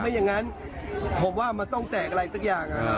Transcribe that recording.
อย่างนั้นผมว่ามันต้องแตกอะไรสักอย่าง